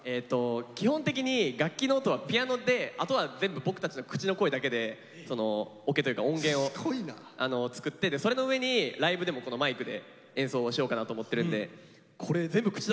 基本的に楽器の音はピアノであとは全部僕たちの口の声だけでオケというか音源を作ってそれの上にライブでもこのマイクで演奏をしようかなと思ってるんで。